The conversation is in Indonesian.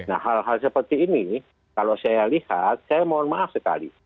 nah hal hal seperti ini kalau saya lihat saya mohon maaf sekali